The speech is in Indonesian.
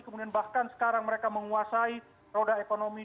kemudian bahkan sekarang mereka menguasai roda ekonomi